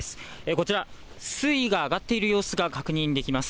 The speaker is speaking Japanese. こちら、水位が上がっている様子が確認できます。